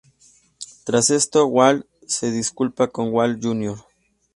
Tras esto, Walt se disculpa con Walt Jr.